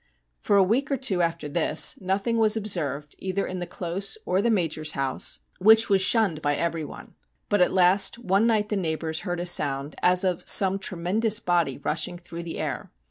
For a week or two after this nothing was observed either in the close or the Major's house, which 8 STORIES WEIRD AND WONDERFUL was shunned by everyone. But, at last, one night the neighbours heard a sound as of some tremendous body rushing through the air.